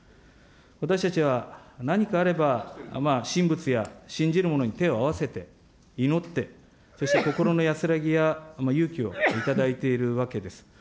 私たちは何かあれば、神仏や信じるものに手を合わせて祈って、そして心の安らぎや勇気を頂いているわけです。